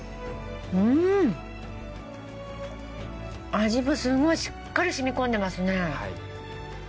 味もすごいしっかりしみこんでますね。